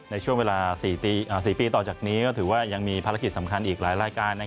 ในช่วงเวลา๔ปีต่อจากนี้ก็ถือว่ายังมีภารกิจสำคัญอีกหลายรายการ